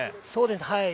そうですね。